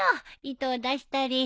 糸を出したり。